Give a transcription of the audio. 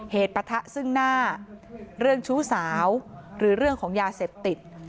ปะทะซึ่งหน้าเรื่องชู้สาวหรือเรื่องของยาเสพติด